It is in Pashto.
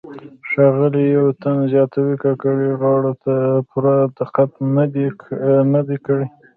ښاغلي یون زیاتو کاکړۍ غاړو ته پوره دقت نه دی کړی.